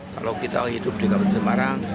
kalau kita hidup di kabupaten semarang